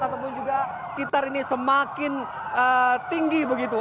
ataupun juga kitar ini semakin tinggi begitu